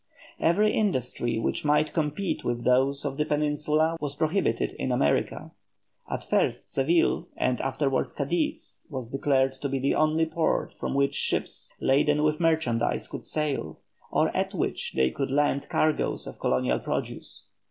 Every industry which might compete with those of the Peninsula was prohibited in America. At first Seville, and afterwards Cadiz, was declared to be the only port from which ships laden with merchandise could sail, or at which they could land cargoes of colonial produce.